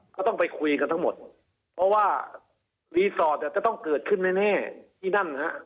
ก็ต้องไปคุยกันทั้งหมดเพราะว่ารีสอร์ทจะต้องเกิดขึ้นแน่ที่นั่นฮะ